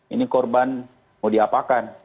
ini korban mau diapakan